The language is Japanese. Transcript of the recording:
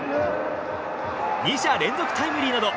２者連続タイムリーなど